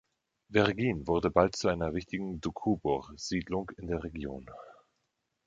Veregin wurde bald zu einer wichtigen Doukhobor-Siedlung in der Region.